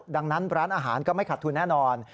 ดังนั้นร้านอาหารก็ไม่ขัดทุนแน่นอน